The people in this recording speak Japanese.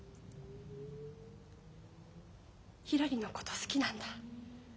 ひらりのこと好きなんだ。